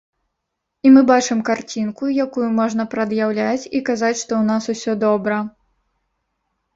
І мы бачым карцінку, якую можна прад'яўляць і казаць, што ў нас усё добра.